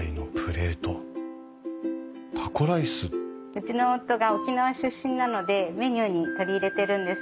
うちの夫が沖縄出身なのでメニューに取り入れてるんです。